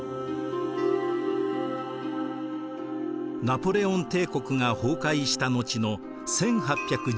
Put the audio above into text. ナポレオン帝国が崩壊した後の１８１４年。